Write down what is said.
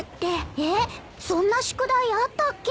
えっそんな宿題あったっけ？